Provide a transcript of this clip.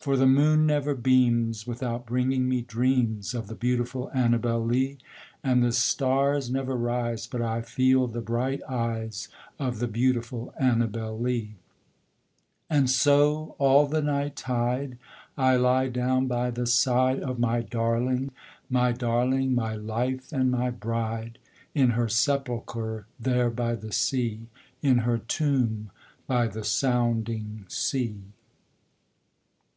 For the moon never beams without bringing me dreams Of the beautiful Annabel Lee; And the stars never rise but I feel the bright eyes Of the beautiful Annabel Lee; And so, all the night tide, I lie down by the side Of my darling my darling my life and my bride, In her sepulchre there by the sea, In her tomb by the sounding sea.